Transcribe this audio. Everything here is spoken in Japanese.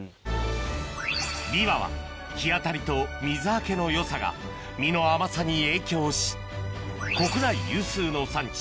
ビワは日当たりと水はけの良さが実の甘さに影響し国内有数の産地